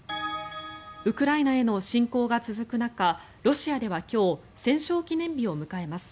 ウクライナへの侵攻が続く中ロシアでは今日戦勝記念日を迎えます。